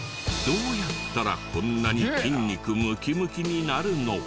どうやったらこんなに筋肉ムキムキになるの？